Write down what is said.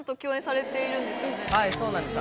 現在はいそうなんです